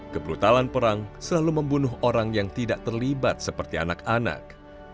kebrutalan perang selalu membunuh orang yang tidak terlibat seperti anak anak